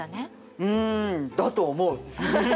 うんだと思う。